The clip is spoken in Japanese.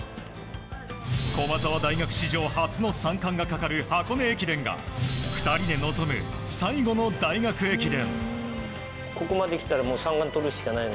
駒澤大学史上初の三冠がかかる箱根駅伝が２人で臨む最後の大学駅伝。